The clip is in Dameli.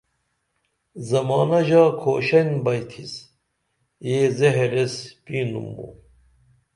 زمانہ ژا کھوش بئیتھس یہ زہر ایس پینُم موں